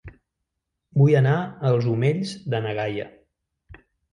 Vull anar a Els Omells de na Gaia